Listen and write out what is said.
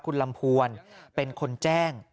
คุณลำพวนเป็นคนแจ้ง